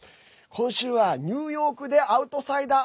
今週はニューヨークでアウトサイダー